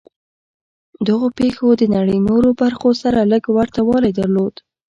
دغو پېښو د نړۍ نورو برخو سره لږ ورته والی درلود